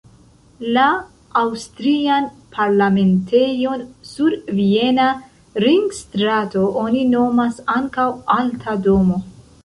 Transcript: La aŭstrian parlamentejon sur Viena Ringstrato oni nomas ankaŭ Alta Domo.